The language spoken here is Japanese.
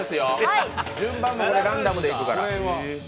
順番もランダムでいくから。